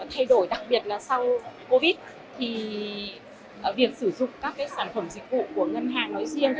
thay đổi đặc biệt là sau covid thì việc sử dụng các sản phẩm dịch vụ của ngân hàng nói riêng